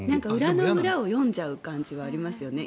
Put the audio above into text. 裏の裏を読んじゃう感じはありますよね。